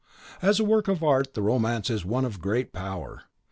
As a work of art the romance is one of great power.